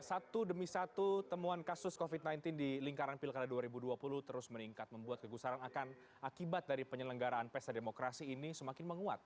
satu demi satu temuan kasus covid sembilan belas di lingkaran pilkada dua ribu dua puluh terus meningkat membuat kegusaran akan akibat dari penyelenggaraan pesta demokrasi ini semakin menguat